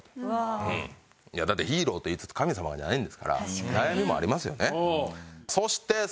だってヒーローって言いつつ神様じゃないんですから悩みもありますよね。